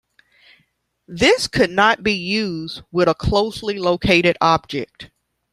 This could not be used with a closely located object.